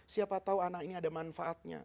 siapa tahu anak ini ada manfaatnya